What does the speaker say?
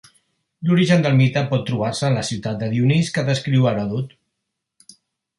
L'origen del mite pot trobar-se en la ciutat de Dionís que descriu Heròdot.